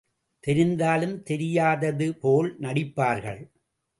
தெரிந்தாலும் தெரியாததுபோல் நடிப்பார்கள்.